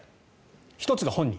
１つが本人。